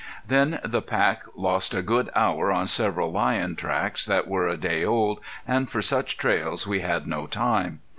Then the pack lost a good hour on several lion tracks that were a day old, and for such trails we had no time.